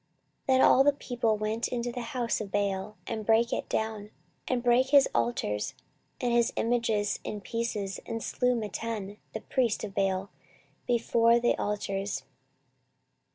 14:023:017 Then all the people went to the house of Baal, and brake it down, and brake his altars and his images in pieces, and slew Mattan the priest of Baal before the altars.